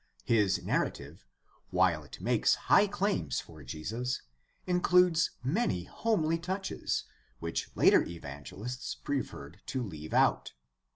His narrative, while it makes high claims for Jesus, includes many homely touches which later evangelists preferred to leave out.